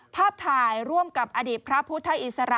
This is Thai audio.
ภาพถ่ายร่วมกับอดีตพระพุทธอิสระ